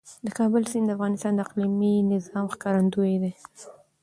د کابل سیند د افغانستان د اقلیمي نظام ښکارندوی دی.